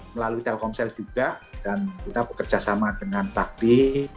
melalui telkomsel juga dan kita bekerja sama dengan bakti